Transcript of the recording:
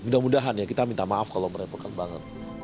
mudah mudahan ya kita minta maaf kalau merepotkan banget